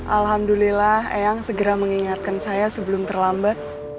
alhamdulillah eyang segera mengingatkan saya sebelum terlambat